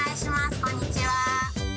こんにちは。